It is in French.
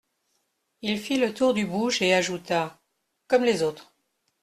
Il fit le tour du bouge et ajouta : Comme les autres.